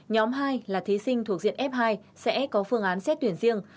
nhóm hai là thí sinh thuộc diện f hai sẽ có phương án xét tuyển riêng